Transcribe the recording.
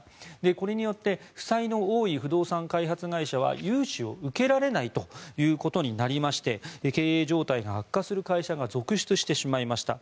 これによって負債の多い不動産開発会社は融資を受けられないということになりまして経営状態が悪化する会社が続出してしまいました。